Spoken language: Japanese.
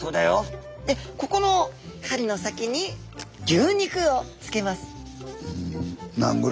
ここの針の先に牛肉をつけます。